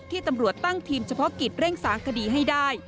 ตำรวจตั้งทีมเฉพาะกิจเร่งสางคดีให้ได้